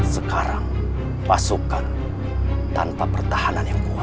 sekarang pasukan tanpa pertahanan yang kuat